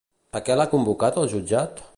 A què l'ha convocat el jutjat?